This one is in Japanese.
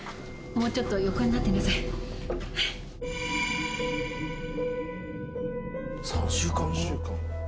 もうちょっと横になってなさい３週間後？